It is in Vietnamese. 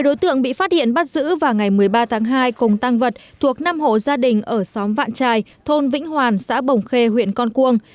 ba đối tượng bị phát hiện bắt giữ vào ngày một mươi ba tháng hai cùng tăng vật thuộc năm hộ gia đình ở xóm vạn trài thôn vĩnh hoàn xã bồng khê huyện con cuông